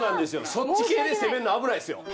そっち系で攻めんの危ないっすよ。